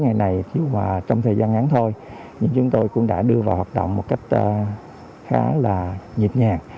ngày này trong thời gian ngắn thôi nhưng chúng tôi cũng đã đưa vào hoạt động một cách khá là nhịp